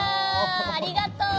ありがとう。